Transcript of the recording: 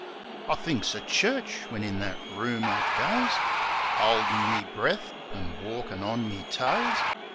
I thinks of church, when in that room I goes, 'Oldin' me breaf an' walkin' on me toes.